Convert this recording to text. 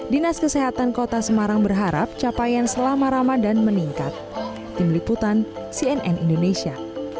dinas kesehatan kota semarang berharap capaian selama ramadan meningkat tim liputan cnn indonesia